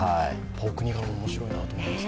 お国柄、面白いなと思いました。